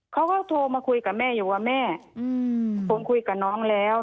เขาก็โทรมาคุยกับแม่อยู่ว่าแม่ผมคุยกับน้องแล้ว